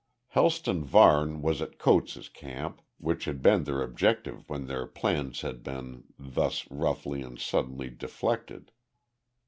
Helston Varne was at Coates' camp, which had been their objective when their plans had been thus roughly and suddenly deflected.